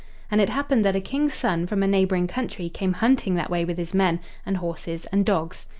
And it happened that a King's son from a neighboring country came hunting that way with his men, and horses, and dogs.